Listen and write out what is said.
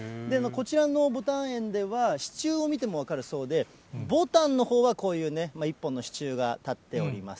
こちらのぼたん園では、支柱を見ても分かるそうで、ぼたんのほうはこういう１本の支柱が立っております。